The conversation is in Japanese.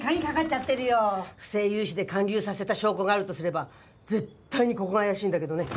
不正融資で還流させた証拠があるとすれば絶対にここが怪しいんだけどね。